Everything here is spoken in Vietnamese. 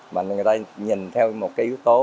mà người ta nhìn theo một cái yếu tố